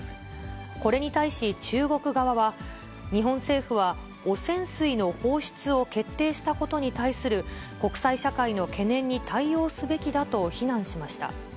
これに対し中国側は、日本政府は汚染水の放出を決定したことに対する国際社会の懸念に対応すべきだと非難しました。